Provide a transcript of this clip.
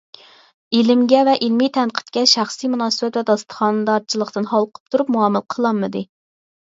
ئىلىمگە ۋە ئىلمىي تەنقىدكە شەخسىي مۇناسىۋەت ۋە داستىخاندارچىلىقتىن ھالقىپ تۇرۇپ مۇئامىلە قىلالمىدى.